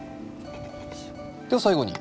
では最後に。